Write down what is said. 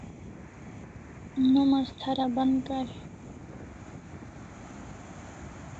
Nom as thara ban kari